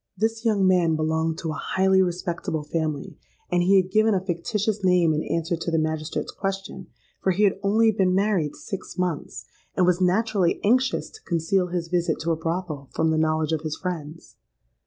This young man belonged to a highly respectable family; and he had given a fictitious name in answer to the magistrate's question, for he had only been married six months, and was naturally anxious to conceal his visit to a brothel from the knowledge of his friends.